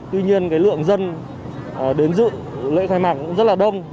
tuy nhiên lượng dân đến dự lễ khai mạc cũng rất đông